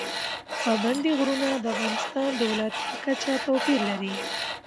پابندي غرونه د افغانستان د ولایاتو په کچه توپیر لري.